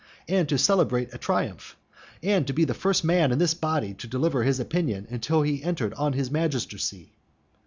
and to celebrate a triumph? and to be the first man in this body to deliver his opinion, until he entered on his magistracy?